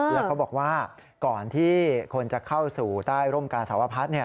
แล้วเขาบอกว่าก่อนที่คนจะเข้าสู่ใต้ร่มกาสาวพัฒน์